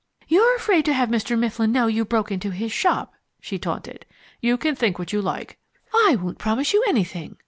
"You're afraid to have Mr. Mifflin know you broke into his shop," she taunted. "You can think what you like." "I won't promise you anything!"